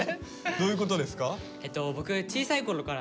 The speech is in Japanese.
どういうことですか？